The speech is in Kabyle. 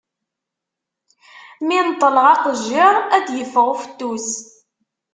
Mi neṭleɣ aqejjir, ad d-iffeɣ ufettus.